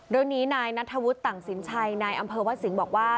เรื่องนี้นายนัทธวุฒิต่างสินชัยนายอำเภอวัดสิงห์บอกว่า